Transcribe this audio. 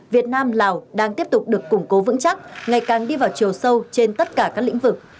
việt nam lào đang tiếp tục được củng cố vững chắc ngày càng đi vào chiều sâu trên tất cả các lĩnh vực